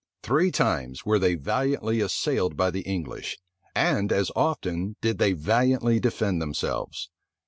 Three times were they valiantly assailed by the English; and as often did they valiantly defend themselves.